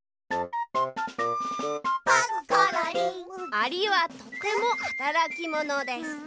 「アリはとてもはたらきものです」。